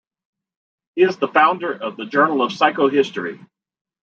He is the founder of "The Journal of Psychohistory".